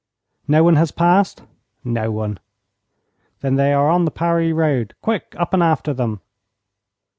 'No one has passed?' 'No one.' 'Then they are on the Paris road. Quick! Up and after them!'